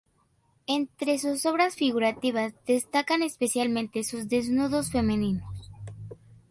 Entre sus obras figurativas destacan especialmente sus desnudos femeninos.